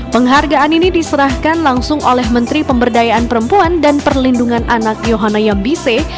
penghargaan ini diserahkan langsung oleh menteri pemberdayaan perempuan dan perlindungan anak yohana yambise